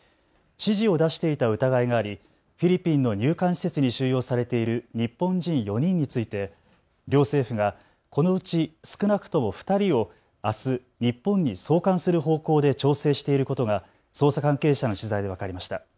指示を出していた疑いがありフィリピンの入管施設に収容されている日本人４人について両政府がこのうち少なくとも２人をあす日本に送還する方向で調整していることが捜査関係者への取材で分かりました。